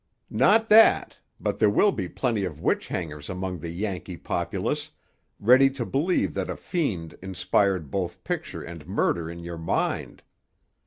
"Not that; but there will be plenty of witch hangers among the Yankee populace, ready to believe that a fiend inspired both picture and murder in your mind.